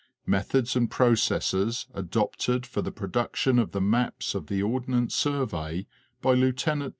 Methods and processes adopted for the production of the maps of the Ordnance Survey, by Lieut.